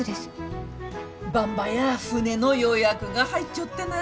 ばんばや船の予約が入っちょってな。